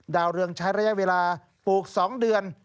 ดาวเรืองใช้ระยะเวลาปลูก๒เดือน